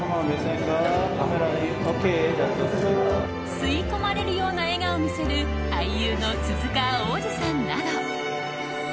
吸い込まれるような笑顔を見せる俳優の鈴鹿央士さんなど。